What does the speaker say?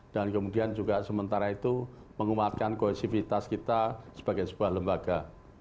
dan kemudian juga sementara itu menguatkan kohesivitas kita sebagai sebuah lembaga